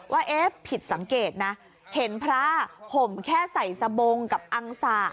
ว่าเอ๊ะผิดสังเกตนะเห็นพระห่มแค่ใส่สบงกับอังสะ